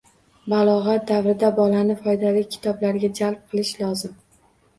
Balog'at davrida bolani foydali kitoblarga jalb qilish lozim